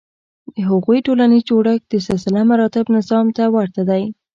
د هغوی ټولنیز جوړښت د سلسلهمراتب نظام ته ورته دی.